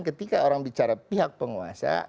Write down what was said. ketika orang bicara pihak penguasa